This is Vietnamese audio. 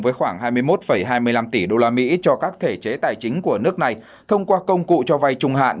với khoảng hai mươi một hai mươi năm tỷ đô la mỹ cho các thể chế tài chính của nước này thông qua công cụ cho vay trung hạn